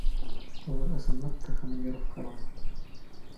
Улар ысынлап та командировкаламы?